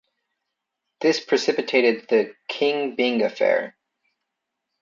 This precipitated the "King-Byng Affair".